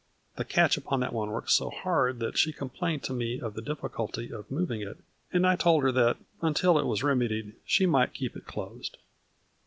The catch upon that one works so hard that she complained to me of the difficulty of moving it, and I told her that, until it was remedied, she might keep it closed."